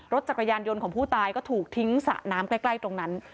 รถจักรยานยนต์ของผู้ตายก็ถูกทิ้งสระน้ำใกล้ตรงนั้น